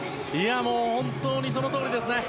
本当にそのとおりですね。